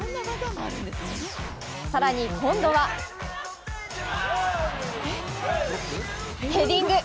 更に今度はヘディング！